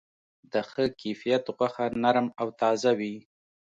د ښه کیفیت غوښه نرم او تازه وي.